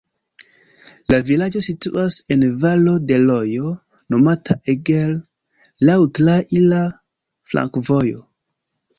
La vilaĝo situas en valo de rojo nomata Eger, laŭ traira flankovojo.